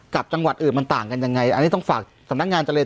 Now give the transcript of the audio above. กับจังหวัดอื่นมันต่างกันยังไงอันนี้ต้องฝากสำนักงานเจริญ